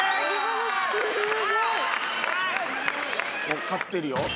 おっ勝ってるよ。